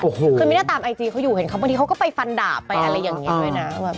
หนูเรียกนี้น่ะตามไอจีเขาอยู่เห็นเขาบางทีเขาก็ไปฟันด่าไปอะไรยังไงด้วยนะคะ